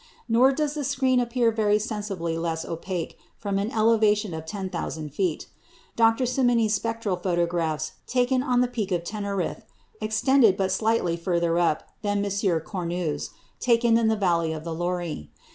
Nor does the screen appear very sensibly less opaque from an elevation of 10,000 feet. Dr. Simony's spectral photographs, taken on the Peak of Teneriffe, extended but slightly further up than M. Cornu's, taken in the valley of the Loire.